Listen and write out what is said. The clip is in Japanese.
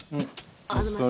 ありがとうございます。